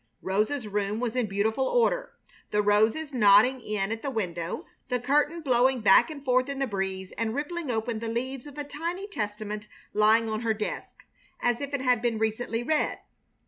Rosa's room was in beautiful order, the roses nodding in at the window, the curtain blowing back and forth in the breeze and rippling open the leaves of a tiny Testament lying on her desk, as if it had been recently read.